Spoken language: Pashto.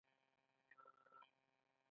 د پښو د سپینولو لپاره د څه شي اوبه وکاروم؟